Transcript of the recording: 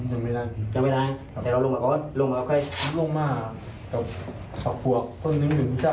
ยังไม่ได้ยังไม่ได้แต่เราลงมาก่อนลงมากับใครลงมากับฝากปวกเพื่อนหนึ่งหนึ่งผู้ชาย